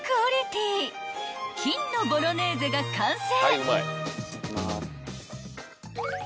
［金のボロネーゼが完成］